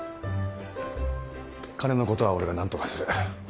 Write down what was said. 金のことは俺が何とかする。